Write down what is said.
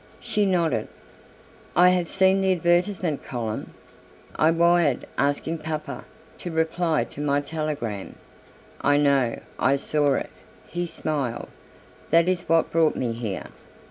She nodded. "I have seen the advertisement column I wired asking Papa to reply to my telegram." "I know I saw it," he smiled; "that is what brought me here."